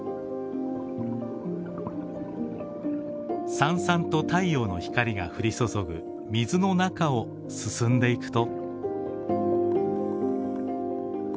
さんさんと太陽の光が降り注ぐ水の中を進んでいくと。